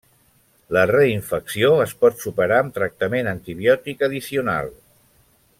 La reinfecció es pot superar amb tractament antibiòtic addicional.